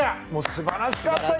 素晴らしかった！